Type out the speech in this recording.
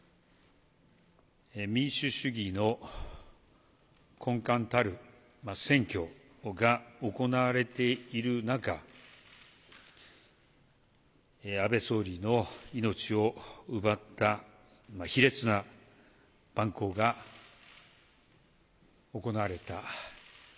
民主主義の根幹たる選挙が行われている中、安倍総理の命を奪った卑劣な蛮行が行われた。